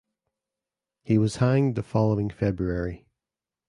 He was hanged the following February.